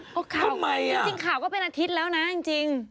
เอาข่าวจริงข่าวก็เป็นอาทิตย์แล้วนะจริง